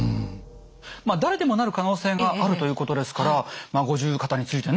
まあ誰でもなる可能性があるということですから五十肩についてね